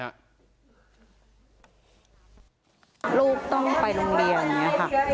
ลูกต้องไปโรงเรียนแหละครับ